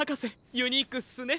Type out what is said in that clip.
ユニークっすね。